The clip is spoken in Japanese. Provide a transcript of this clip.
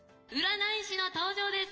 占い師の登場です。